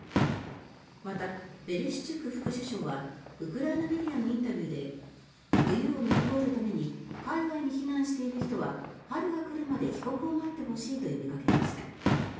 また、ベレシュチュク副首相はウクライナメディアのインタビューで冬を乗り越えるために海外に避難している人は春が来るまで帰国を待ってほしいと呼びかけました。